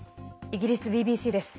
イギリスＢＢＣです。